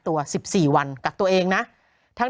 โหยวายโหยวายโหยวายโหยวาย